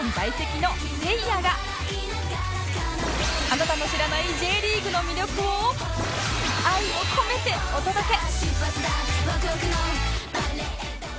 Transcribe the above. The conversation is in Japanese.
あなたの知らない Ｊ リーグの魅力を愛を込めてお届け！